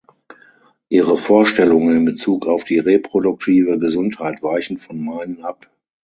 Ihre Vorstellungen in Bezug auf die reproduktive Gesundheit weichen von meinen ab.